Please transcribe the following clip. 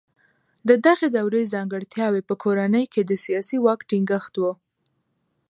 د دغې دورې ځانګړتیاوې په کورنۍ کې د سیاسي واک ټینګښت و.